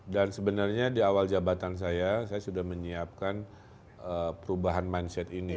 dan sebenarnya di awal jabatan saya saya sudah menyiapkan perubahan mindset ini